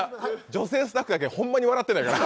女性スタッフだけほんまに笑ってないから。